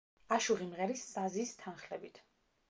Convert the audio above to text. აშუღი მღერის საზის თანხლებით.